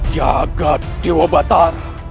jaga dewa batara